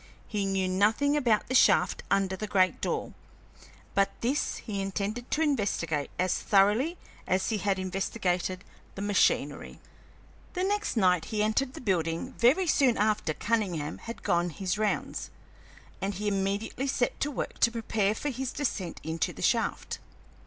He knew nothing about the shaft under the great door, but this he intended to investigate as thoroughly as he had investigated the machinery. The next night he entered the building very soon after Cunningham had gone his rounds, and he immediately set to work to prepare for his descent into the shaft.